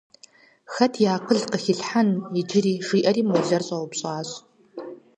Хэт и акъыл къыхилъхьэн иджыри, – жиӀэри молэр щӀэупщӀащ.